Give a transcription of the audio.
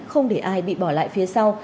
không để ai bị bỏ lại phía sau